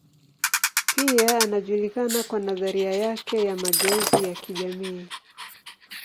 Pia anajulikana kwa nadharia yake ya mageuzi ya kijamii.